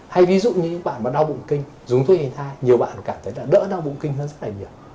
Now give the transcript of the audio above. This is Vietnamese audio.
hay ví dụ như những bạn mà đau bụng kinh dùng thuốc tránh thai nhiều bạn cảm thấy đã đỡ đau bụng kinh hơn rất là nhiều